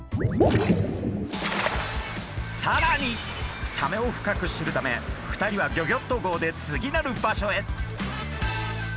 更にサメを深く知るため２人はギョギョッと号で次なる場所へ。